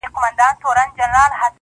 خو یو عیب چي یې درلود ډېره غپا وه -